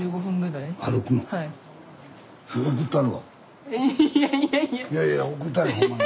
いやいや送ったるわほんまに。